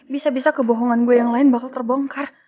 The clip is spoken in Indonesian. bisa bisa kebohongan gue yang lain bakal terbongkar